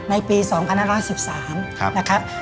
ในปี๒๕๑๓นะครับ